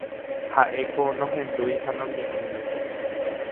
Haʼéko nohendúi ha noñeʼẽi.